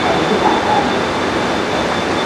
铃木顶苞藓为锦藓科顶苞藓属下的一个种。